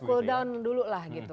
cooldown dulu lah gitu